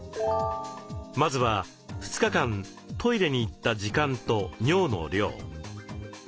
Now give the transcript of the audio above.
まずは２日間トイレに行った時間と尿の量。